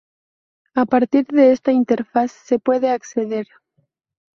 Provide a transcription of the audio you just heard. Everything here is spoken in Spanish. A partir de esta interfaz se puede acceder